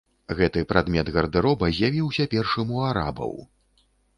Гэты прадмет гардэроба з'явіўся першым у арабаў.